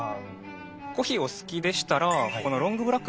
コーヒーお好きでしたらこのロングブラックがおすすめですよ。